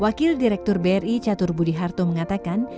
wakil direktur bri catur budiharto mengatakan